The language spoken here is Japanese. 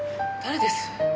誰です？